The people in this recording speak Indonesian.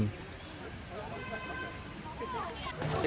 ya alhamdulillah semua pemain yang hadir